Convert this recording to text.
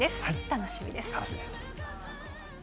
楽しみです。